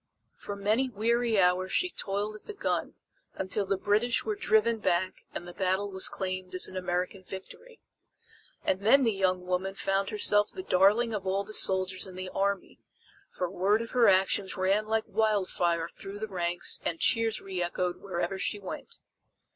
For many weary hours she toiled at the gun, until the British were driven back and the battle was claimed as an American victory. And then the young woman found herself the darling of all the soldiers in the army, for word of her actions ran like wildfire through the ranks and cheers reechoed wherever she went.